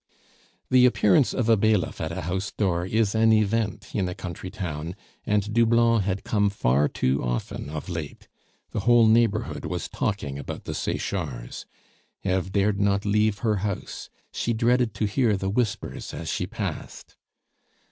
The appearance of a bailiff at a house door is an event in a country town, and Doublon had come far too often of late. The whole neighborhood was talking about the Sechards. Eve dared not leave her house; she dreaded to hear the whispers as she passed.